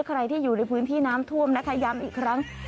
ใครที่อยู่ในพื้นที่น้ำท่วมนะคะย้ำอีกครั้ง